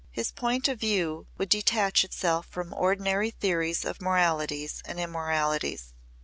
His point of view would detach itself from ordinary theories of moralities and immoralities.